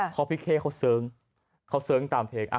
เพราะพี่เค้เขาเสิร์กเขาเสิร์กตามเทคน่ะ